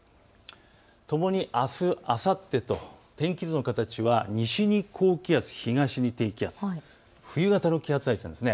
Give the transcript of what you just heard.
ともに、あす、あさってと天気図の形は西に高気圧、東に低気圧、冬型の気圧配置なんです。